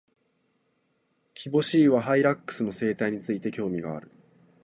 キボシイワハイラックスの生態について、興味がある。